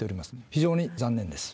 非常に残念です。